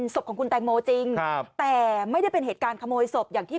ศพของคุณแตงโมจริงแต่ไม่ได้เป็นเหตุการณ์ขโมยศพอย่างที่